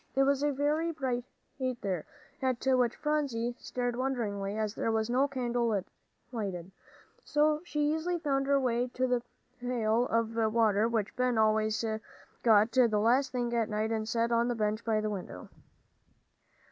It was very bright there, at which Phronsie stared wonderingly, as there was no candle lighted, so she easily found her way to the pail of water which Ben always got the last thing at night and set on the bench by the window.